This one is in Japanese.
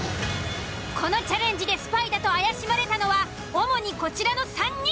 このチャレンジでスパイだと怪しまれたのは主にこちらの３人。